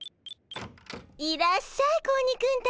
いらっしゃい子鬼くんたち。